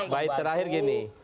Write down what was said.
baik terakhir gini